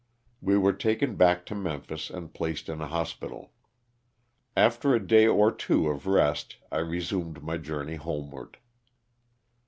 We were taken back to Memphis and placed in a hospital. After a day or two of rest I resumed my journey homeward.